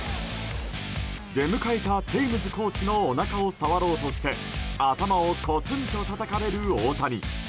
出迎えたテイムズコーチのおなかを触ろうとして頭をこつんとたたかれる大谷。